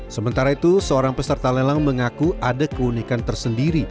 sementara itu seorang peserta lelang mengaku ada keunikan tersendiri